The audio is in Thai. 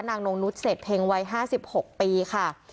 นงนุษยเศษเพ็งวัย๕๖ปีค่ะ